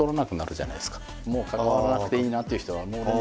もう関わらなくていいなっていう人は。